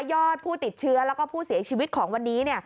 ยอดผู้ติดเชื้อแล้วก็ผู้เสียชีวิตของวันนี้